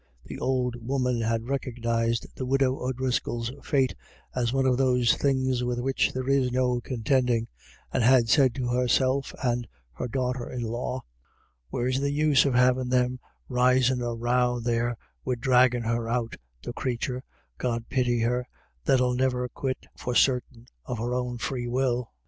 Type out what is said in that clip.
The old woman had recognised the widow O'Driscoll's fate as one of those things with which there is no contending, and had said to herself and her daughter in law :" Where's the use of havm* them risin' a row there wid draggm' her out, the crathur, God pity her, that '11 niver quit, for sartin, of her own free will